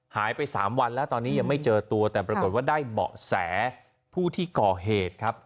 หายไป๓วันแล้วตอนนี้ยังไม่เจอตัวแต่ปรากฏว่าได้เบาะแสผู้ที่ก่อเหตุครับ